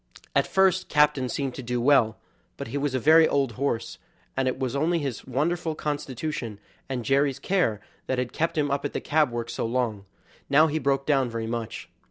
At first Captain seemed to do well, but he was a very old horse, and it was only his wonderful constitution, and Jerry's care, that had kept him up at the cab work so long; now he broke down very much.